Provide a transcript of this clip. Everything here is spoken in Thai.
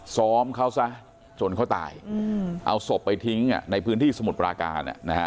ซ้อมเขาซะจนเขาตายเอาศพไปทิ้งในพื้นที่สมุทรปราการ